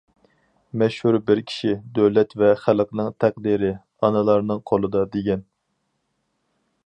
مەشھۇر بىر كىشى:« دۆلەت ۋە خەلقنىڭ تەقدىرى ئانىلارنىڭ قولىدا» دېگەن.